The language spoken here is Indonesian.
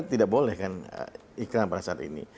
tidak boleh kan iklan pada saat ini